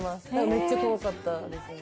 めっちゃ怖かったですね